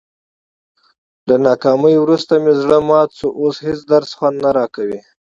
له ناکامۍ ورسته مې زړه مات شو، اوس هېڅ درس خوند نه راکوي.